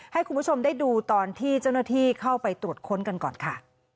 ให้คุณผู้ชมได้ดูตอนที่เจ้าหน้าที่เข้าไปตรวจค้นกันก่อนค่ะ